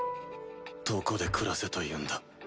どこで暮らせというんだ？